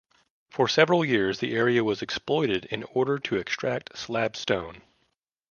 For several years the area was exploited in order to extract slab stone.